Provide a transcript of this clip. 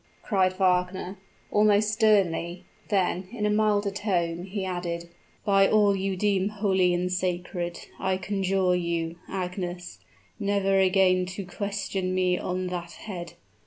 cried Wagner, almost sternly; then, in a milder tone, he added, "By all you deem holy and sacred, I conjure you, Agnes, never again to question me on that head!